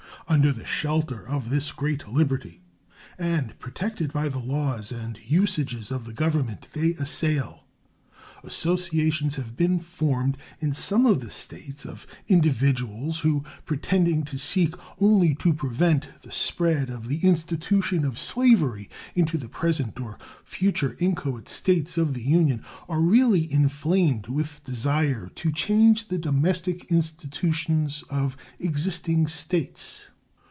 Under the shelter of this great liberty, and protected by the laws and usages of the Government they assail, associations have been formed in some of the States of individuals who, pretending to seek only to prevent the spread of the institution of slavery into the present or future inchoate States of the Union, are really inflamed with desire to change the domestic institutions of existing States.